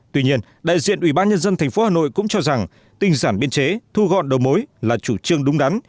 tuy nhiên đại diện ubnd tp hà nội cũng cho rằng tinh giản biên chế thu gọn đầu mối là chủ trương đúng đắn